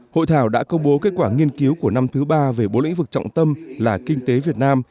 hội thảo đã công bố kết quả nghiên cứu của năm thứ ba về bốn lĩnh vực trọng tâm là kinh tế việt nam